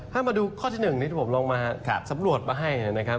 ถ้ามาดูข้อที่หนึ่งนี้ผมลองมาครับสำรวจมาให้เนี่ยนะครับ